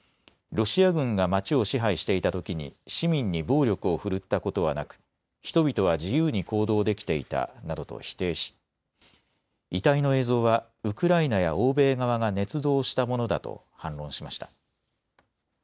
ロシア軍が街を支配していたときに市民に暴力を振るったことはなく人々は自由に行動できていたなどと否定し、遺体の映像はウクライナや欧米側がねつ造したものだと反論しました。